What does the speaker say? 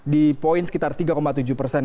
di poin sekitar tiga tujuh persen